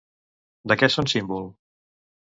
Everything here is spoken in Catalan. De què són símbol?